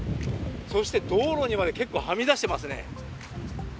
そして、道路にまで結構はみ出していますね。